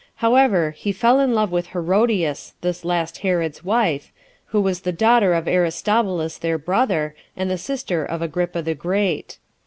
However, he fell in love with Herodias, this last Herod's wife, who was the daughter of Aristobulus their brother, and the sister of Agrippa the Great.